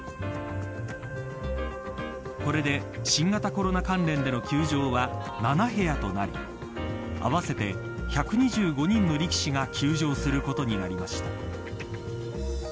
これで新型コロナ関連での休場は７部屋となり合わせて１２５人の力士が休場することになりました。